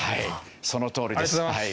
そのとおりですはい。